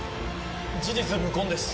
事実無根です。